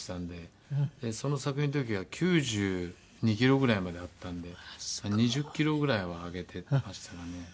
その作品の時は９２キロぐらいまであったんで２０キロぐらいは上げてましたかね。